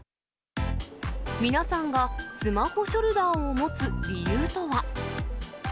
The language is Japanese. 皆さんがスマホショルダーを持つ理由とは。